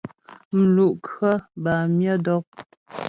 Mlu' khɔ bâ myə dɔk.